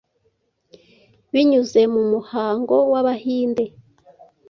binyuze mu muhango w’Abahinde